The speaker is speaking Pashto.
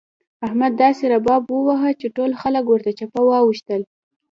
احمد داسې رباب وواهه چې ټول خلګ ورته چپه واوښتل.